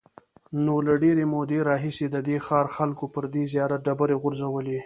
نو له ډېرې مودې راهیسې د دې ښار خلکو پر دې زیارت ډبرې غورځولې.